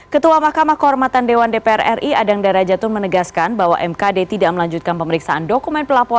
ketua mahkamah kehormatan dewan dpr ri adang dara jatun menegaskan bahwa mkd tidak melanjutkan pemeriksaan dokumen